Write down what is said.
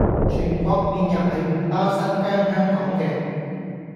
全國免郵係唔包新疆香港嘅